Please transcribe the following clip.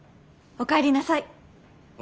おかえりなさい。